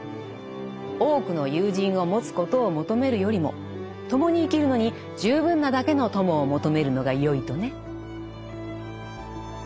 多くの友人を持つことを求めるよりも共に生きるのに十分なだけの友を求めるのがよいとね。